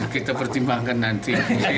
kita pertimbangkan nanti